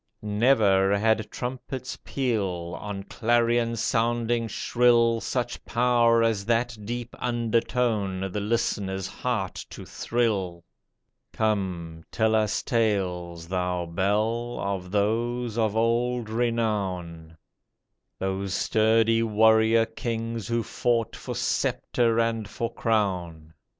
Never had trumpet's peal. On clarion sounding shrill, Such power as that deep undertone The listener's heart to thrill. THE BELL OF ST. PAUL'S 6l Come, tell us tales, thou bell, Of those of old renown, Those sturdy warrior kings who fought For sceptre and for crown.